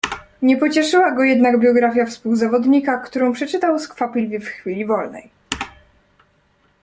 "Nie pocieszyła go biografia współzawodnika, którą przeczytał skwapliwie w chwili wolnej."